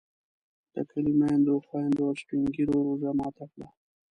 د کلي میندو، خویندو او سپین ږیرو روژه ماته کړه.